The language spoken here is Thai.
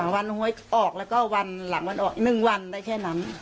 วันหวยออกแล้ววันหวยออกหนึ่งวันได้แค่นั้น